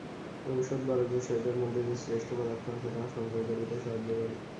ঔষধ বড়জোর শরীরের মধ্যে যে শ্রেষ্ঠ পদার্থ আছে, তাহা সঞ্চয় করিতে সাহায্য করে।